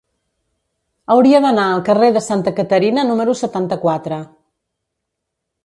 Hauria d'anar al carrer de Santa Caterina número setanta-quatre.